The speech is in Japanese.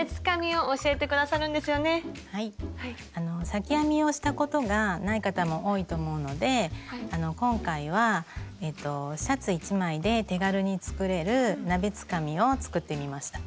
裂き編みをしたことがない方も多いと思うのであの今回はシャツ１枚で手軽に作れる鍋つかみを作ってみました。